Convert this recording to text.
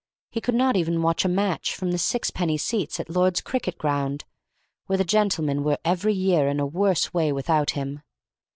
He could not even watch a match, from the sixpenny seats, at Lord's cricket ground, where the Gentlemen were every year in a worse way without him.